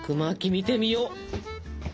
見てみよう！